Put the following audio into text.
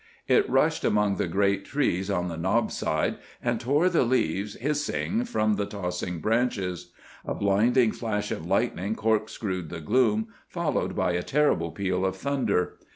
It rushed among the great trees on the knob side, and tore the leaves hissing from the tossing branches. A blinding flash of lightning corkscrewed the gloom, followed by a terrible peal of thunder.